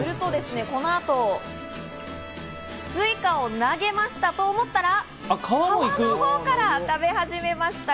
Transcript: この後、スイカを投げました！と思ったら、皮のほうから食べ始めました。